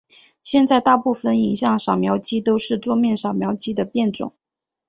现在大部份影像扫描机都是桌面扫描机的变种。